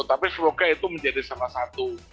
tapi semoga itu menjadi salah satu